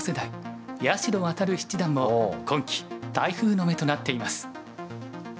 八代弥七段も今期台風の目となっています。